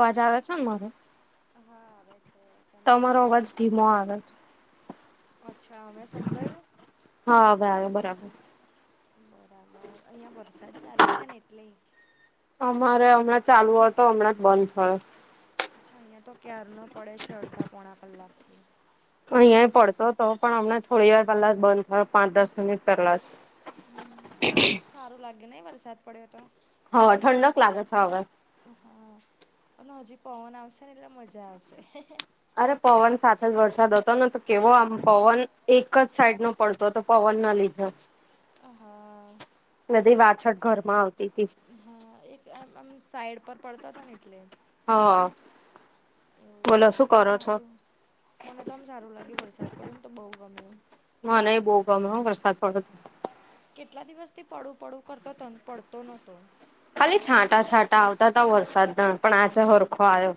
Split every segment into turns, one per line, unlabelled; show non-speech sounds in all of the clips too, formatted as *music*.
અવાજ આવે છે ને મારો?
હા આવે છે.
તમારો અવાજ ધીમો આવે
અચ્છા હવે સંભળાયું?
હા હવે આવે બરાબર.
બરાબર અહિયાં વરસાદ ચાલુ છે ને એટલે.
અમારે હમણાં ચાલુ હતો હમણાં જ બંધ થયો.
અચ્છા અહીયાં તો ક્યાર નો પડે છે અડધા પોણા કલાક થી
અહિયા યે પડતો હતો પણ હમણા થોડી વાર પહેલા જ બંધ થયો પાંચ દસ મિનિટ પહેલા જ *inaudible*
સારું લાગયુ ને વરસાદ પડ્યો તો
હવા ઠંડક લાગે છે હવે.
હા અને હજી પવન આવશે ને એટલે મજા આવશે.
અરે પવન સાથે જ વરસાદ હતો ને તો કેવો આમ પવન એક જ સાઈડ નો પડતો તો પવન ના લીધે
ઓ હા.
બધી વાછટ ઘરમાં આવતી તી.
એક આમ સાઈડ પર પડતો હતો ને એટલે
હા.
એવું થાય પણ હારું મને તો આમ સારું લાગ્યું વરસાદ પડયો ને તો બો ગમયુ.
મને યે બો ગમયુ હા વરસાદ પડ
કેટલા દિવસથી પડુ પડુ કરતો તો ને પડતો નોતો.
ખાલી છાંટા છાંટા આવતા તા વરસાદ ના પણ આજે હરખો આયો.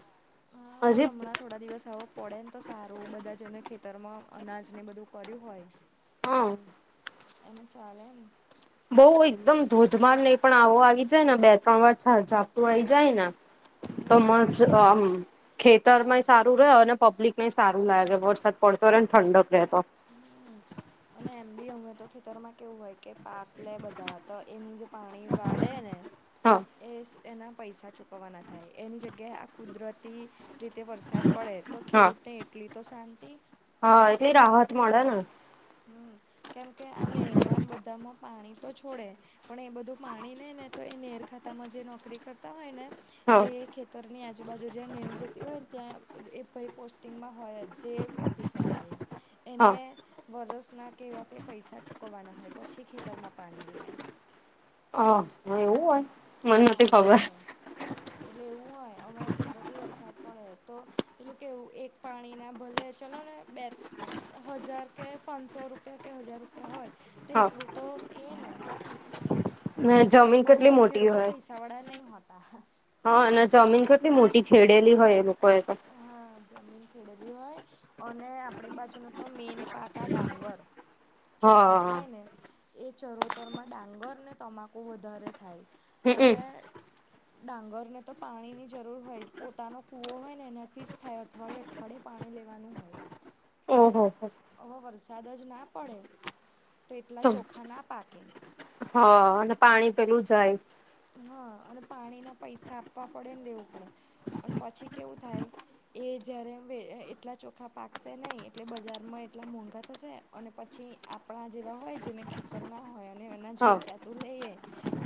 હા અલી અમણા થોડા દિવસ હવે પડે ને તો સારું બધા જ એને ખેતરમાં અનાજ ને બધું કર્યું હોય
હા.
એને ચાલે ની
બઉ એકદમ ધોધમાર હોય પણ આવો આવી જાય ને બે ત્રણ વાર છ ઝાપટું આઈ જાય ને તો મસ્ત આમ ખેતર માંયે સારું રેય અને પબ્લિક ને યે સારું લાગે વરસાદ પડતો રેય ને ઠંડક રેય તો
અને એમ બી અયા તો ખેતર માં કેવું હોય કે પાક લે બધા તો એનું જે પાણી વાડેને એ એના પૈસા ચૂકવવાના થાય એની જગ્યાએ આ કુદરતી વરસાદ પડે તો ખેડૂત ને એટલી તો શાંતિ
હા એટલે રાહત મળે ને
હમમ કેમકે આ નહેર માં ને બધામાં પાણી તો છોડે પણ એ બધું પાણી લે ને તો એ નેહર ખાતામાં જે નોકરી કરતા હોય ને એે ખેતરની આજુબાજુ જ્યાં નહેર જતી હોય ને ત્યાં એ ભઈ પોસ્ટિંગમાં હોય જે ઓફિસર હોય એ એને વરસના કહેવા કે પૈસા ચૂકવવાના હોય પછી ખેતરમાં પાણી લેવાય.
હ હ એવુ હોય.
હા એવું હોય એટલે એવું હોય અવે આ કુદરતી વરસાદ પડે તો પેલું કેવું એક પાણી ના ભલે ચલો ને બે હજાર કે પાંચસો રૂપિયા કે હજાર રૂપિયા હોય તો એટલું તો એ ને કેમ કે બધા ખેડૂતો પૈસા વાળા નહી હોતા.
હા અને જમીન કેટલી મોટી છેેડેલી હોય એ લોકોએ તો
હા જમીન ખેડેલી હોય. અને આપણી બાજુ ન તો મેન પાકા ડાંગર ચોખા થાય ને એ ચરોતર માં ડાંગર ને તમાકુ વધારે થાય. તો અવે ડાંગરને તો પાણી ની જરૂર હોય પોતાનો કુવો હોય. એનાથી જ થાય અઠવાડિે અઠવાડયે પાણી લેવાનુ હોય.
ઓહ હ
હવે વરસાદ જ ના પડે પેટલા ચોખા ના પાકે
હા અને પાણી પેલુ જાય.
હા અને પાણીના પૈસા આપવા પડે ને લેવું પડે અને પછી કેવુ થાય. એ જયારે એટલા ચોખા પાકશે નહી એટલે બજારમાં એટલા મોંઘા થશે. અને પછી આપણા જેવા હોય જેને ખેતર ના હોય. એના જ વેચાતું લઈએ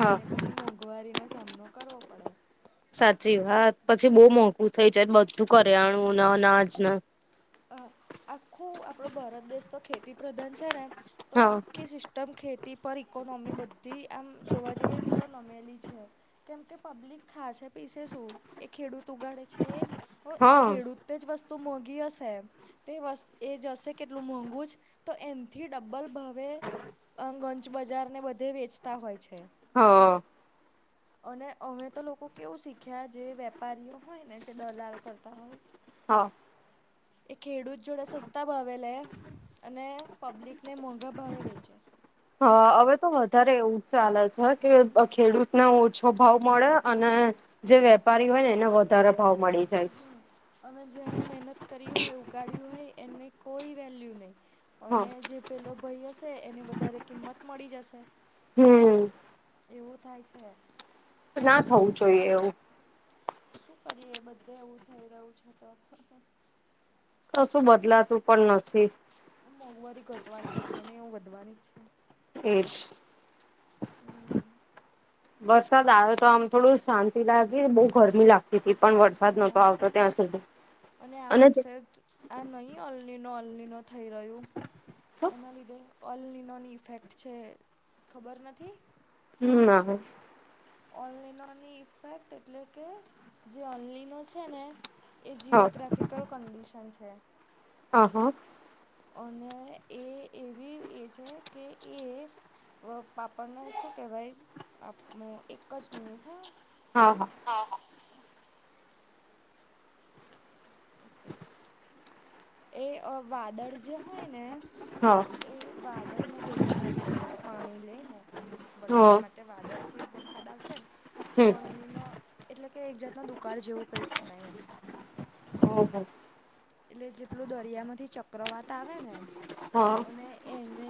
એને પછી મોંઘવારીનોો સામનો કરવો પડે
સાચી વાા પછી બહુ મોંઘું થઈ જાય બધું કરે આણું ના અનાજ ના
અ આખું આપણો ભારત દેશ તો ખેતી પ્રધાન છેને. તો આખી સિસ્ટમ ખેતી પર ઈકોનોમી બધી આમ જોવા જઈએ ને તો નમેલી છે. કેમ કે પબ્લિક ખસે પીસે શું એ ખેડૂત ઉગડ છેજ. હ ખેડૂત તે જ વસ્તુ મોગી તે એ જશે કેટલું મોંઘું જ તો એનથી ડબલ ભાવે અગંજ બજારને બધે વેચતા હોય છે.
હ
અને અમે તો લોકો કેવું શીખ્યા જે વેપારીઓ હોય ને જે દલાલ કરતા હોય.
હા
હા એ ખેડૂત જોડે સસ્તા ભાવે લે અને પબ્લિકને મોંઘા ભાવે વેચે
હ હવે તો વધારે એવું જ ચાલે છે કે ખેડૂત ને ઓછો ભાવ મળે અને જે વેપારી હોય, ને એને વધારે ભાવ મળે
હમ અ જેણે મહેનત કરી હોય, ઉગાડ્યુ હોય એની કોઈ વેલ્યુ નહી અને જે પેલો ભય હશે એની વધારે કિંમત મળી જશે એવું થાય છે, પણ શું કરીએ શું કરીએ એ બધે એવું થઈ રહ્યુ છે, તો
કશું બદલાતું પણ નથી.
મોંઘવારી ઘટવાની તો છે ને એું વધવાની જ છે.
એજ
હમ્મ
વરસાદ આવે્યો તો આમ થોડું શાંતિ લાગી બઉુ ગરમી લાગતી હતી. પણ વરસાદ નહોતો આવતો ત્યાં સુધી અને
આ નહીં અલનીનો અલની ન થઈ રહ્યો એના લીધે. ઓલ લિનોની ઇફેક્ટ છે, ખબર નથી.
હ ના.
ઓનલાઈનોની ઇફેક્ટ એટલે કે, જે ઓનલાઈનો છે ને. એ જીઓગ્રાફિકલ કન્ડિશન છે.
હ હા.
અને એ એવી એ છે કે એ પાપડને શું કે ભાઈ આપું, એક જ મિનિટ હ.
હા હા.
હા હા. ઓકે એ વાદળ જે હોય ને.
હા.
એ વાદળને ભેગા ના થવા દે પાણી લઈને, વરસાદમાં. વાદળથી વરસાદ આવશે ને, તો અલલીનો એટલે કે એક જાતનો દુકાળ જેવું કહી શકાય એમ.
હમ હમ.
એટલે જેટલું દરિયામાંથી ચક્રવાત આવે ને, અને એને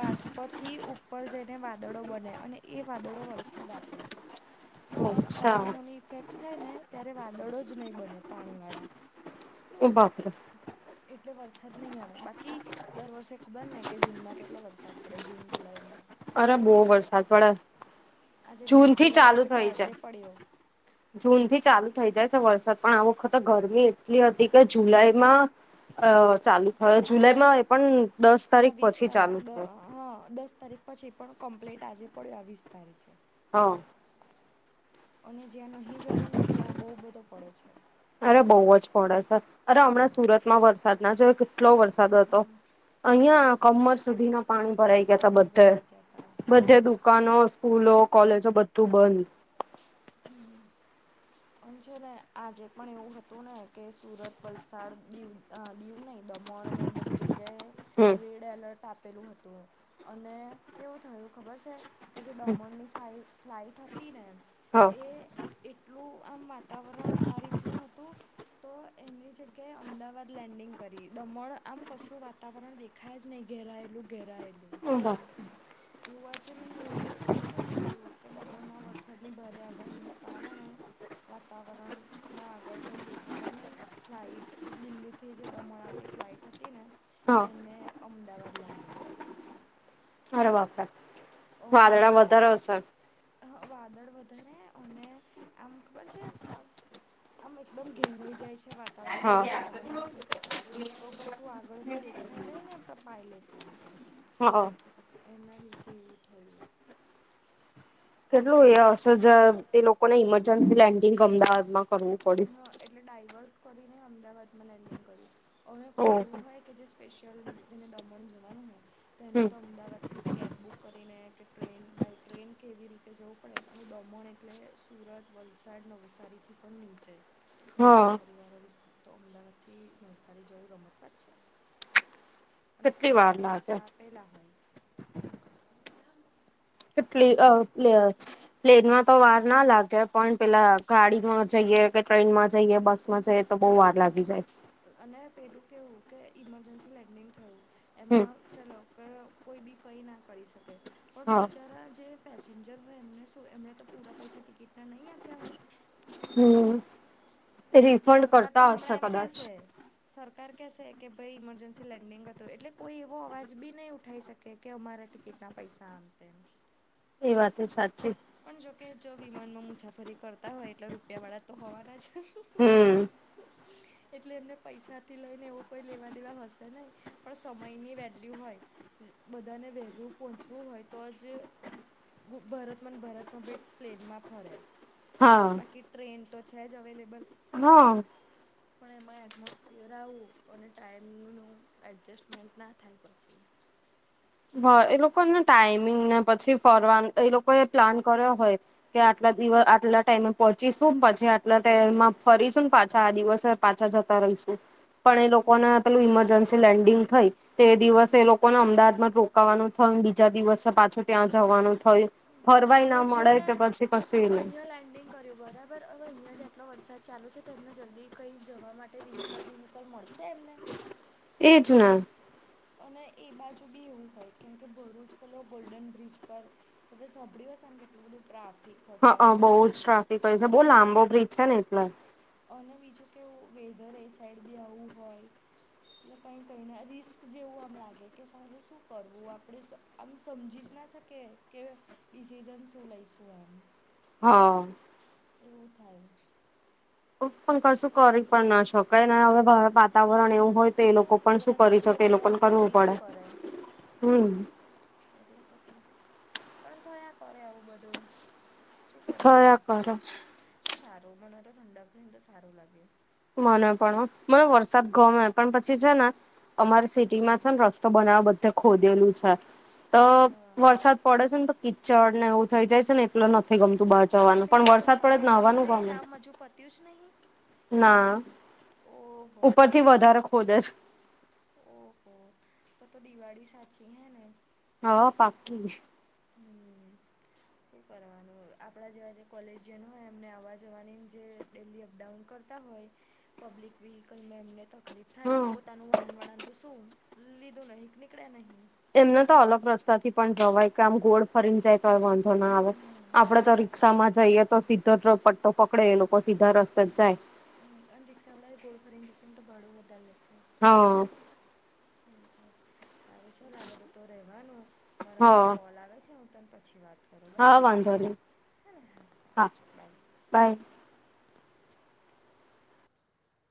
બાષ્પથી ઉપર જઈને વાદળો બને અને એ વાદળો વરસાદ આપે. પણ અલલીનોની ઇફેક્ટ થાય ને ત્યારે વાદળો જ નહીં બને પાણી વાળા.
એ બાપ
હ *inaudible* એટલે વરસાદ નહીં આવે બાકી, દર વર્ષે ખબર ને કે જૂનમાં કેટલો વરસાદ પડે જૂન જુલાઈમાં.
અરે બહુ વરસાદ વાળા.
આજે વીસ જુલાઈ થઈ ને તો આજે પડ્યો.
જૂનથી ચાલુ થઈ જાય છે વરસાદ પણ આ વખતે ગરમી એટલી હતી કે જુલાઈમાં અ ચાલુ થયો જુલાઈમાં એ પણ દસ તારીખ પછી ચાલુ થયો.
હા દસ તારીખ પછી પણ કમ્પ્લીટ આજે પડ્યો આ વીસ તારીખે.
હા.
અને જ્યાં નહી જરૂર ને ત્યાં બહુ બધો પડે છે.
અરે બહુ જ પડે સર, અરે હમણાં સુરતમાં વરસાદ ના જો કેટલો વરસાદ હતો, અહિયાં કમર સુધીનો પાણી ભરાઈ ગયા હતા બધે, બધે દુકાનો સ્કૂલો કોલેજો બધું બંધ.
હમ. પણ છે ને આજે પણ એવું હતું ને કે સુરત વલસાડ દીવ અ દીવું નહી દમણ અને એ બધી જગ્યાએ, રેડ એલર્ટ આપેલું હતું. અને કેવું થયું ખબર છે, કે જે દમણની ફઇ ફ્લાઇટ હતી ને. એટલું આમ વાતાવરણ આ રીતનું હતું. તો એની જગ્યાએ અમદાવાદ લેન્ડિંગ કરી દમણ આમ કશું વાત તાવાર દેા જ નને ઘેરા એલું ઘેરા એલું.
હ *unintelligible*
એવું આજે મેં ન્યૂઝ તો જોયું કે દમણમાં વરસાદની ભારે આગાહીને કારણે વાતાવરણમાં આગળ કંઈ દેખાતા નહીં ફ્લાઇટ દિલ્હીથી જે દમણ આવતી ફ્લાઇટ હતી ને, એને અમદાવાદ લેન્ડિંગ કરી.
વા *unintelligible*
અમે જે વાદળ વધારે અને, આમ ખબર છે આ આમ એકદમ ઘેરાઈ જાય છે વાતાવરણ વરસાદ આવવાનું એ તો. તો કશું આગળનું દેખાય નહી ને આપણા પાયલેટને
હા
એના લીધે એવું થયું.
કેટલું એ અસરજ એ લોકોને ઇમરજન્સી લેન્ડિંગ અમદાવાદમાં
હ એટલે ડાઈવર્ટ કરીને અમદાવાદમાં લેન્ડિંગ કર્યું. અને કોઈ એવું હોય કે જે સ્પેશિયલ જેને દમણ જવાનું હોય. તો એને તો અમદાવાદ થી કેબ બુક કરીને કે ટ્રેન બાય ટ્રેન કે એવી રીતે જવું પડે અમે દમણ એટલે સુરત, વલસાડ, નવસારીથી પણ ની ચે એ નવસારી વાળો વિસ્તાર તો અમદાવાદથી નવસારી જવું રમત વાત છે. અને ટિકિટના પૈસા આપેલા હોય.
કેટલી અ પ્લેયર્સ પ્લેનમાં તો વાર ના લાગે પણ પેલા ગાડીમાં જઈએ કે ટ્રેનમાં જઈએ બસ માં જઈએ તો બહુ વાર લાગી જાય.
અને પહેલું કેવું કે ઇમરજન્સી લેન્ડિંગ થયું. એમાં ચલો કે કોઈ બી કઈ ના કરી શકે. પણ બિચારા જે પેસેન્જર હોય એમને શું એમને તો પૂરા પૈસા ટિકિટના નહી આપ્યા હોય?
હમ
સરકાર તો હમણાં એમ કેશે. સરકાર કેહેશે કે ભાઈ ઈમરજન્સી લેન્ડિંગ હતો એટલે કોઈ એવો અવાજ બી નહીં ઉઠાવી શક કે કે અમારા ટિકિટના પૈસા આમ તેમ.
એ વાતે સાચી.
પણ જોકે જો વિમાનમાં મુસાફરી કરતા હોય એટલે રૂપિયા વાળા તો હોવાના જ. એટલે એમને પૈસાથી લઈને એવો કોઈ લેવા દેવા હશે નહી. પણ સમયની વેલ્યુ હોય બધાને વેલુ પહોંચવું હોય તો જ ભરતમાં ને ભરતમાં બેટ પ્લેનમાં ફરે. બાકી ટ્રેન તો છે જ અવેલેબલ.
હા
હહ પણ એમાં એટમોસ્ફિયર આવું અને ટાઈમનું એડજસ્ટમેન્ટ ના થાય પછી.
હા એ લોકોને ટાઈમિંગ ને પછી ફરવા એ લોકોએ પ્લાન કર્યો હોય. કે આટલા દિવસ આટલા ટાઈમે પહોંચીશું, પછી આટલા ટાઈમમાં ફરીશું ને, પાછા આ દિવસે પાછા જતા રહીશું. પણ એ લોકોને પેલું ઈમરજન્સી લેન્ડિંગ થઈ, તે એ દિવસ એ લોકોને અમદાવાદમાં રો કાવાનું થયું ને બીજા દિવસે પાછું ત્યાં જવાનું થયું.
હમ અમે જોને અહીંયા લેન્ડિંગ કર્યું બરાબર હવે અહીયાં જ એટલો વરસાદ ચાલુ છે તેમને જલ્દી કઈ જવા માટે વહીકલ બીહીકલ મળ સેમને?
એજ ને.
અને એ બાજુ બી એવું હોય, કેમ કે ભરૂચ પેલો ગોલ્ડન બ્રિજ પર તે તો સાંભળ્યું હશે ને કેટલું બધું ટ્રાફિક
હઆ બહુ જ ટ્રાફિક હોય છે, બહુ લાંબો બ્રિજ છે ને એટલે.
અને બીજું કેવુ વેધર એ સાઈડ બી આવું હોય. એટલે કઈ કઈને રિસ્ક જેવું આમ લાગે કે સાલું શું કરવું આપણેે આમ સમજી જ ના શકે કે ડિસિઝન શું લઈશું એમ.
હહ
એવું થાય.
પણ કશું કરી પણ ના શક કઈ હવે વાતાવરણ એવું હોય તો એ લોકો પણ શું કરી શકે એ લોકો કરવું પડે.
હ.
હમ
એટલે પછી પણ થયા કરે આવું બધું.
*inaudible*
પણ સારું મને તો ઠંડક થઈ ને તો સારું. લાગે.
મને પણ મને વરસાદ ગમે પણ પછી છે ને.? અમારે સિટી માં છે ને રસ્તો બનાવવા બધે ખોદેલું છે. તો વરસાદ પડે છે ને તો કિચડ ને એવું થઈ જાય છે ને એટલો નથી. ગમતું બહાર જવાનું પણ વરસાદ પડે જ ન હવાનું કોમે
પત્યું જ નહીં.
ના ઉપરથી વધારે ખોદે છે.
ઓહો તો તો દિવાળી સાચી હૈ ને.?
હા પાકી.
હમ. શું કરવાનું આપણા જેવા જે કોલેજયન હોય એમને આવવા જવાની જે ડેલી અપડાઉન કરતા હોય પબ્લિક વ્હીકલમાં એમને તકલીફ થાય પોતાનું વાહનવાળાને તો શું લીધું નહીં નીકળ્યા નહીં.
એમને તો અલગ રસ્તા થી પણ જવાય કે આમ ગોળ ફરીને જાય તો હોય. ના આવે આપડે તો રિક્ષા માં જઈએ તો સી પટ્ટો પકડે એ લોકો સીધા રસ્તા જાય.
હમ અને રી્ષાળા ગોળ ફરીને જશેને તો બાડું વધારે દશે.
હા.
એટાય. સારું છેો લ આ બધું તો રહેવાનું મારા અમે એક કોલ આવે છે હું તને પછી વાત બરો બરાબર હા હા સારું છે બાય.